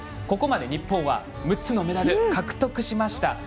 ここまで日本は６つのメダル獲得しました。